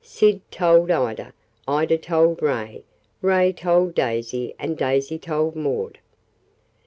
Sid told Ida, Ida told Ray, Ray told Daisy and Daisy told Maud.